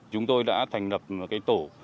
chúng tôi đã thành lập một cái tổ